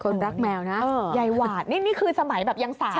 รักแมวนะยายหวาดนี่นี่คือสมัยแบบยังสาว